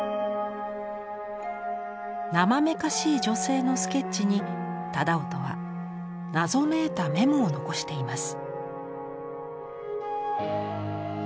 なまめかしい女性のスケッチに楠音は謎めいたメモを残しています。